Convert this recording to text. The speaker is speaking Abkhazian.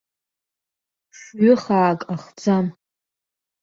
Фҩы-хаак ахӡам.